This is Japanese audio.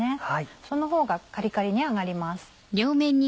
そのほうがカリカリに揚がります。